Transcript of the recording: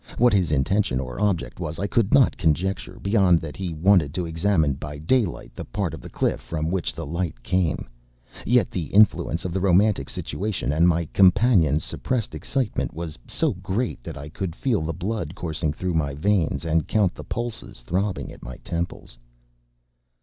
What his intention or object was I could not conjecture, beyond that he wanted to examine by daylight the part of the cliff from which the light came. Yet the influence of the romantic situation and my companion’s suppressed excitement was so great that I could feel the blood coursing through my veins and count the pulses throbbing at my temples.